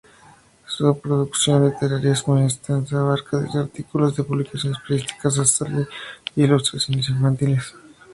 Su producción literaria, muy extensa, abarca desde artículos de publicaciones periódicas hasta ilustraciones infantiles.